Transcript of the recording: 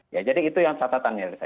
ya jadi itu yang catatannya